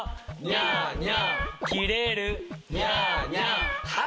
ニャーニャー。